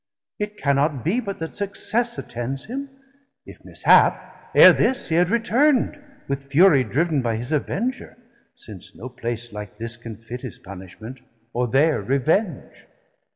It cannot be But that success attends him; if mishap, Ere this he had return'd, with fury driv'n 240 By his Avenger, since no place like this Can fit his punishment, or their revenge.